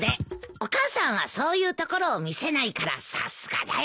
お母さんはそういうところを見せないからさすがだよ。